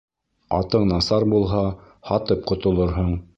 Атың насар булһа, һатып ҡотолорһоң